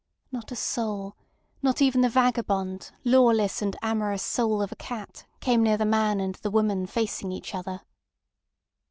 Not a soul, not even the vagabond, lawless, and amorous soul of a cat, came near the man and the woman facing each other.